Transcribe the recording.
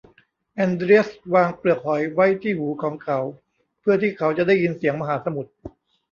แอนเดรียสวางเปลือกหอยไว้ที่หูของเขาเพื่อที่เขาจะได้ยินเสียงมหาสมุทร